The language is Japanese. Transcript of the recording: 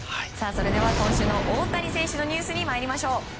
それでは今週の大谷翔平選手のニュースにまいりましょう。